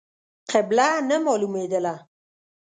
قبله نه مالومېدله.